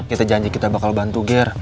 kita janji kita bakal bantu ger